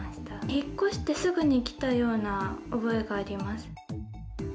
引っ越してすぐに来たような覚えがあります。